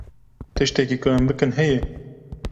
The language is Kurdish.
Tiştekî ku em bikin heye?